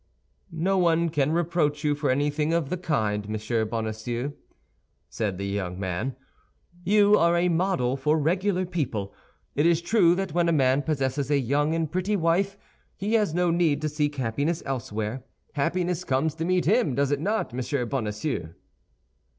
"No one can reproach you for anything of the kind, Monsieur Bonacieux," said the young man; "you are a model for regular people. It is true that when a man possesses a young and pretty wife, he has no need to seek happiness elsewhere. Happiness comes to meet him, does it not, Monsieur Bonacieux?"